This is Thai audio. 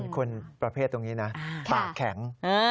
คนประเภทตรงนี้นะปากแข็ง